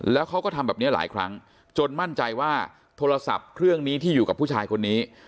แล้วเขาก็ทำแบบนี้หลายครั้งจนมั่นใจว่าโทรศัพท์เครื่องนี้ที่อยู่กับผู้ชายคนนี้